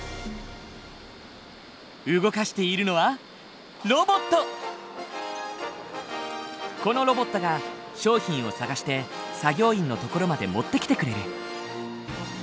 動かしているのはこのロボットが商品を探して作業員の所まで持ってきてくれる。